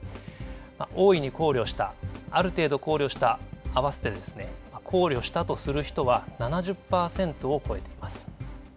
大いに考慮した、ある程度考慮したと合わせて、考慮したとする人は７０％を超えています。